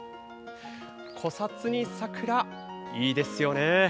古刹に桜、いいですよね。